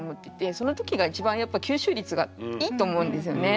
その時が一番やっぱ吸収率がいいと思うんですよね。